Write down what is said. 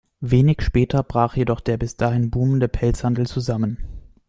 Wenig später brach jedoch der bis dahin boomende Pelzhandel zusammen.